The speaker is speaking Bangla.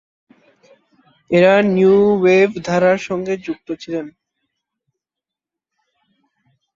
এরা নিউ ওয়েভ ধারার সঙ্গে যুক্ত ছিলেন।